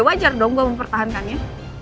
wajar dong gue mau pertahankannya